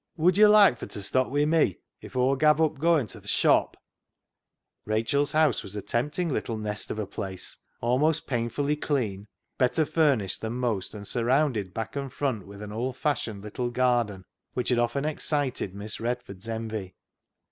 " Wod yo' like fur t' stop wi' me if Aw gav' up goin' to th' shop ?" (mill). Rachel's house was a tempting little nest of a place, almost painfully clean, better furnished 244 CLOG SHOP CHRONICLES than most, and surrounded back and front with an old fashioned little garden which had often excited Miss Redford's envy.